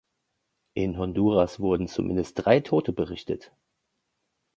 In Honduras wurden zumindest drei Tote berichtet.